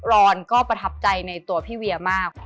รอนก็ประทับใจในตัวพี่เวียมาก